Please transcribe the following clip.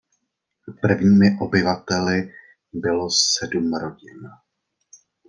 Prvními obyvateli bylo sedm rodin.